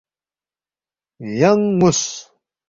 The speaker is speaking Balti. ینگ نُ٘وس